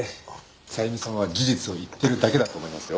さゆみさんは事実を言ってるだけだと思いますよ。